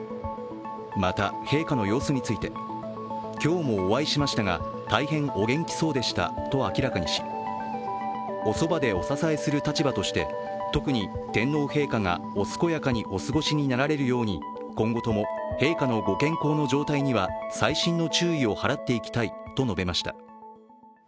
また、陛下の様子について、今日もお会いしましたが、大変お元気そうでしたと明らかにし、おそばでお支えする立場として特に天皇陛下がお過ごしになられるように今後とも陛下のご健康の状態には細心の注意を払っていきたいと述べました。